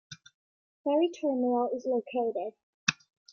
Ferry terminal is located.